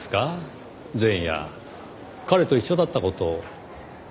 前夜彼と一緒だった事を。